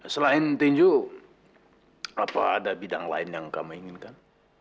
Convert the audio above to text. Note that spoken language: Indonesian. selain tinju apa ada bidang lain yang kami inginkan